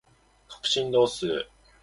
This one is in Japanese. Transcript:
角振動数